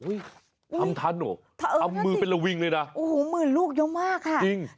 ทำทันเหรอทำมือเป็นระวิงเลยนะโอ้โหหมื่นลูกเยอะมากค่ะจริง